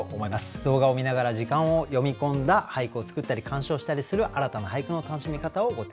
動画を観ながら時間を詠み込んだ俳句を作ったり鑑賞したりする新たな俳句の楽しみ方をご提案させて頂きます。